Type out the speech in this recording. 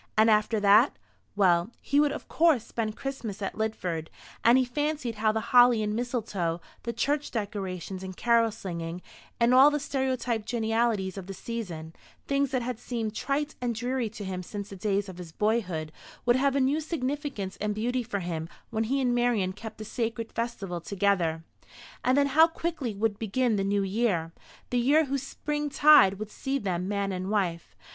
And after that? Well, he would of course spend Christmas at Lidford; and he fancied how the holly and mistletoe, the church decorations and carol singing, and all the stereotyped genialities of the season, things that had seemed trite and dreary to him since the days of his boyhood, would have a new significance and beauty for him when he and Marian kept the sacred festival together. And then how quickly would begin the new year, the year whose spring tide would see them man and wife!